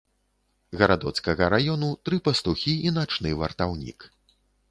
Гарадоцкага раёну, тры пастухі і начны вартаўнік.